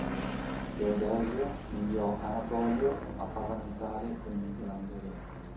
Teodosio inviò Anatolio a parlamentare con il grande re.